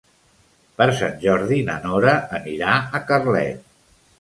Per Sant Jordi na Nora anirà a Carlet.